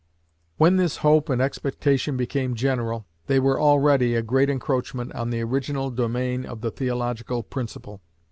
When this hope and expectation became general, they were already a great encroachment on the original domain of the theological principle.